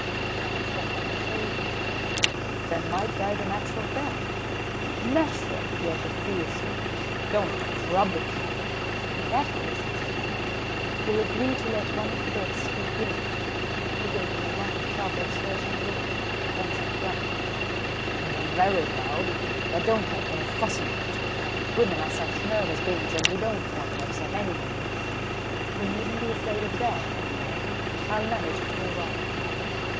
I shrugged my shoulders. "Then Mike died a natural death?" "Natural?" he echoed fiercely. "Don't talk rubbish!" "In that case," I said quietly, "you'll agree to let one of the dogs sleep in." He gave me a long, troubled, searching look, then said gruffly: "Very well, but don't make any fuss about it. Women are such nervous beings and we don't want to upset anyone." "You needn't be afraid of that," I replied, "I'll manage it all right."